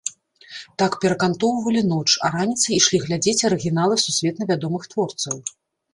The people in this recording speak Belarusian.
Так перакантоўвалі ноч, а раніцай ішлі глядзець арыгіналы сусветна вядомых творцаў.